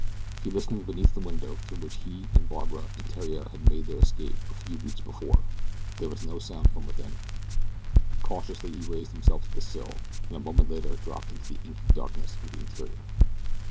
He listened beneath the window through which he and Barbara and Theriere had made their escape a few weeks before. There was no sound from within. Cautiously he raised himself to the sill, and a moment later dropped into the inky darkness of the interior.